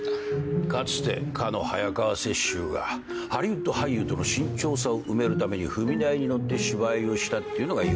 かつてかの早川雪洲がハリウッド俳優との身長差を埋めるために踏み台に乗って芝居をしたっていうのが由来だ。